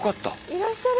いらっしゃる！